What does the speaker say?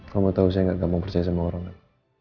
kamu tahu saya gak gampang percaya sama orang kan